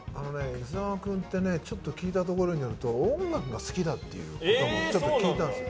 伊沢君ってね聞いたところによると音楽が好きだっていうのをちょっと聞いたんです。